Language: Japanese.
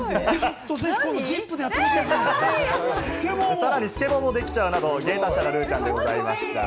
さらにスケボーもできちゃうなど、芸達者なルーちゃんでした。